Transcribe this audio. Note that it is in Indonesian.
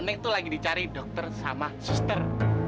nek tuh lagi dicari dokter sama suster